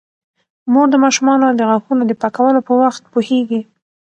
مور د ماشومانو د غاښونو د پاکولو په وخت پوهیږي.